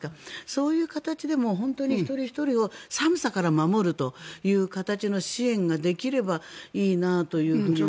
そういう形でも本当に一人ひとりを寒さから守るという形の支援ができればいいなと思います。